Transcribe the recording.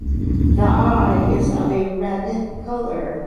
The eye is of a red color.